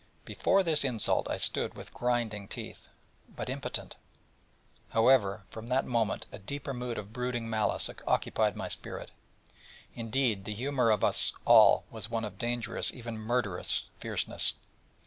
Before this insult I stood with grinding teeth, but impotent. However, from that moment a deeper mood of brooding malice occupied my spirit. Indeed the humour of us all was one of dangerous, even murderous, fierceness.